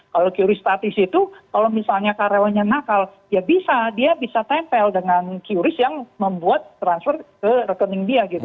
kalau qris statis itu kalau misalnya karyawannya nakal ya bisa dia bisa tempel dengan qris yang membuat transfer ke rekening dia gitu